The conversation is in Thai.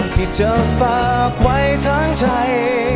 ที่เธอฝากไว้ทั้งใจ